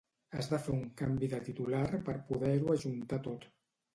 Has de fer un canvi de titular per poder-ho ajuntar tot